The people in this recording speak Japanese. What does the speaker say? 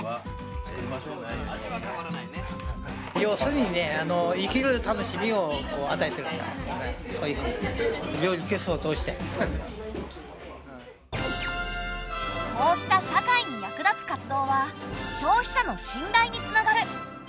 要するにねこうした社会に役立つ活動は消費者の信頼につながる。